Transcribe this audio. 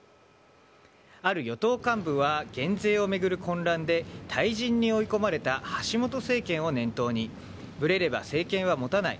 ある与党幹部は減税を巡る混乱で退陣に追い込まれた橋本政権を念頭にぶれれば政権はもたない。